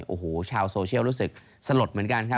โอ้โหชาวโซเชียลรู้สึกสลดเหมือนกันครับ